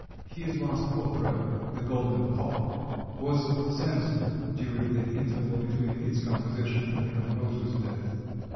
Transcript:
His last opera, "The Golden Cock," was censored during the interval between its composition and the composer's death.